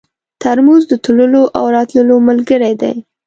ترموز د تللو او راتلو ملګری دی.